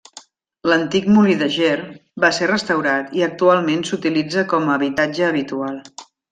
L'antic molí de Ger va ser restaurat i actualment s'utilitza com a habitatge habitual.